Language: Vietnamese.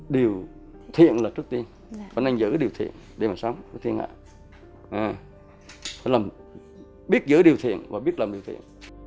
điều thiện là trước tiên phải nên giữ điều thiện để mà sống phải biết giữ điều thiện và biết làm điều thiện